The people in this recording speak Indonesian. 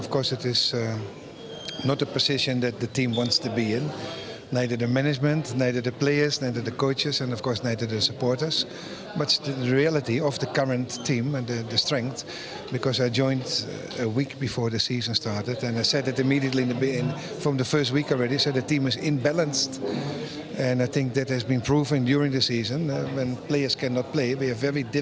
kebaranganrusuhan persib bandung houics cicaka mengerjakan kekuatan disebut anda dan terima kasih grouped by ben